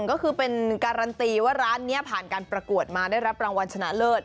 ก็คือเป็นการันตีว่าร้านนี้ผ่านการประกวดมาได้รับรางวัลชนะเลิศ